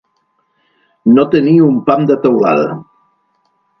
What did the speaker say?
No tenir un pam de teulada.